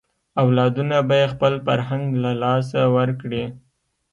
اولادونه به یې خپل فرهنګ له لاسه ورکړي.